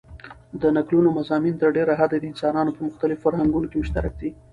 د نکلونو مضامن تر ډېره حده دانسانانو په مختلیفو فرهنګونو کښي مشترک دي.